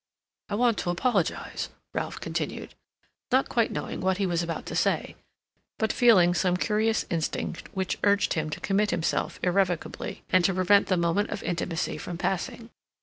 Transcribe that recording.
"I want to apologize," Ralph continued, not quite knowing what he was about to say, but feeling some curious instinct which urged him to commit himself irrevocably, and to prevent the moment of intimacy from passing.